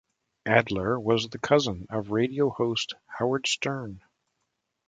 Adler was the cousin of radio host Howard Stern.